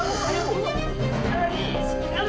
terima kasih ibu ibu